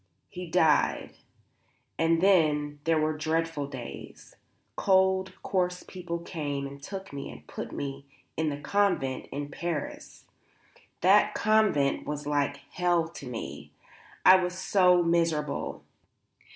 He died. And then there were dreadful days. Cold, coarse people came and took me and put me in a convent in Paris. That convent was like hell to me. I was so miserable.